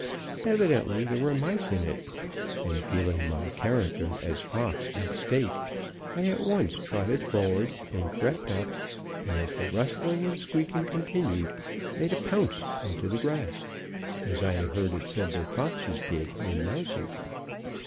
Evidently there were mice in it; and, feeling my character as fox at stake, I at once trotted forward, then crept up, and, as the rustling and squeaking continued, made a pounce into the grass as I had heard it said that foxes did when mousing.